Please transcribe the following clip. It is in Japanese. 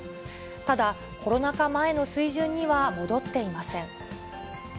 ただ、コロナ禍前の水準には戻っていません。